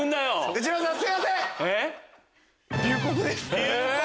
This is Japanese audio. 内村さんすいません！